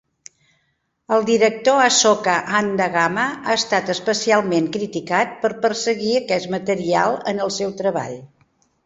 El director Asoka Handagama ha estat especialment criticat per perseguir aquest material en el seu treball.